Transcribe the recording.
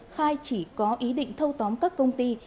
khai chỉ có ý định thâu tóm các công ty